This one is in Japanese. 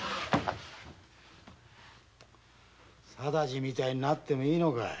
貞次みたいになってもいいのかい！